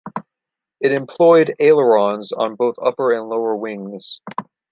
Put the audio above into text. It employed ailerons on both upper and lower wings.